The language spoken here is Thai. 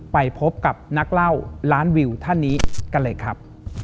ไปพบกับนักเล่าล้านวิวท่านนี้กันเลยครับ